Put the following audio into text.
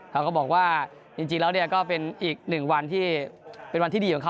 เขาก็บอกว่าจริงแล้วก็เป็นอีกหนึ่งวันที่เป็นวันที่ดีของเขา